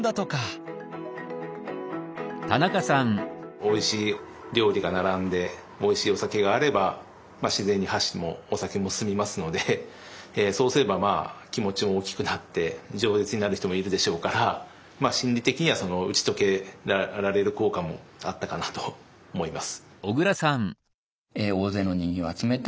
おいしい料理が並んでおいしいお酒があれば自然に箸もお酒も進みますのでそうすれば気持ちも大きくなってじょう舌になる人もいるでしょうから心理的には打ち解けられる効果もあったかなと思います。